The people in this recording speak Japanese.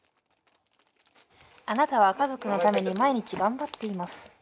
「あなたは家族のために毎日頑張っています。